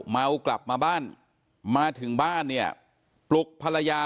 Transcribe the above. เมากลับมาบ้านมาถึงบ้านเนี่ยปลุกภรรยา